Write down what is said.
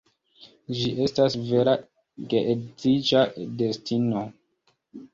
Ĝi estas vera geedziĝa destino.